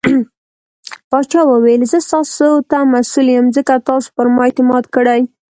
پاچا وويل :زه ستاسو ته مسوول يم ځکه تاسو پرما اعتماد کړٸ .